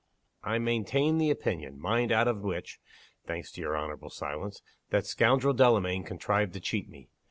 I maintain the opinion, mind, out of which (thanks to your honorable silence) that scoundrel Delamayn contrived to cheat me.